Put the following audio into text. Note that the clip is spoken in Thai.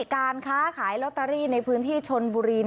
การค้าขายลอตเตอรี่ในพื้นที่ชนบุรี